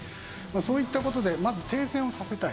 そういった事でまず停戦をさせたい。